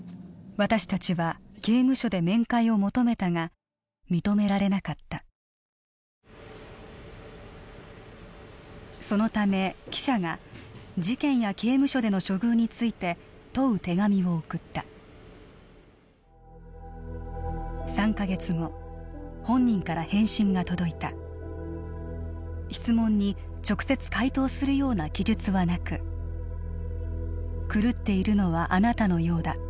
私たちは刑務所で面会を求めたが認められなかったそのため記者が事件や刑務所での処遇について問う手紙を送った３か月後本人から返信が届いた質問に直接回答するような記述はなく「狂っているのはあなたのようだ」